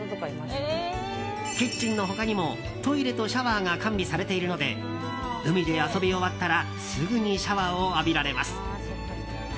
キッチンの他にもトイレとシャワーが完備されているので海で遊び終わったらすぐにシャワーを浴びられます。